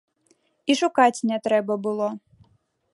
І шукаць не трэба было.